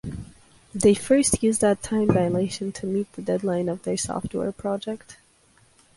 They first use that time dilation to meet the deadline for their software project.